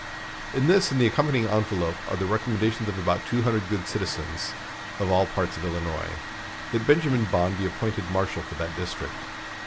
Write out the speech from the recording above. "In this and the accompanying envelop are the recommendations of about two hundred good citizens, of all parts of Illinois, that Benjamin Bond be appointed marshal for that district.